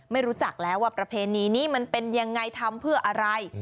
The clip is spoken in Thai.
ไม่รู้จักแล้วว่าประเพณีนี้มันเป็นยังไงทำเพื่ออะไร